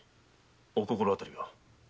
お心当たりは？